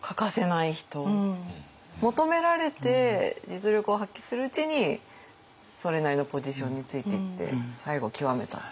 求められて実力を発揮するうちにそれなりのポジションについていって最後極めたっていう。